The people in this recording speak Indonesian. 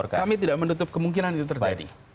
kami tidak menutup kemungkinan itu terjadi